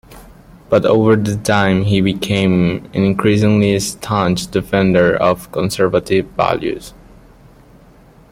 But over time, he became an increasingly staunch defender of conservative values.